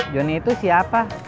johnny itu siapa